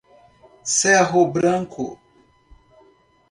Cerro Branco